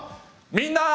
「みんな！